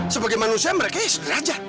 sebagai manusia mereka ya sederajat